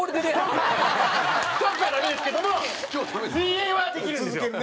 トークはダメですけども水泳はできるんですよ。